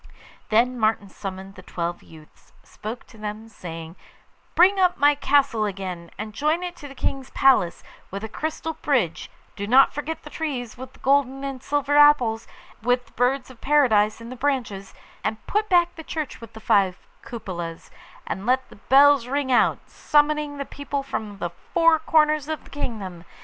Then Martin summoned the twelve youths, spoke to them, saying, 'Build up my castle again, and join it to the King's Palace with a crystal bridge; do not forget the trees with the golden and silver apples, and with the birds of Paradise in the branches; and put back the church with the five cupolas, and let the bells ring out, summoning the people from the four corners of the kingdom.